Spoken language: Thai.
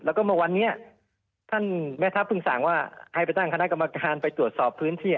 แล้วก็เมื่อวันนี้ท่านแม่ทัพเพิ่งสั่งว่าให้ไปตั้งคณะกรรมการไปตรวจสอบพื้นที่